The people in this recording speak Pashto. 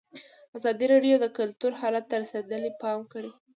ازادي راډیو د کلتور حالت ته رسېدلي پام کړی.